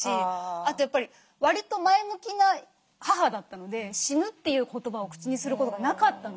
あとやっぱりわりと前向きな母だったので「死ぬ」という言葉を口にすることがなかったので。